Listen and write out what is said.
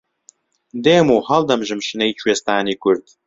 دێم و هەڵدەمژم شنەی کوێستانی کورد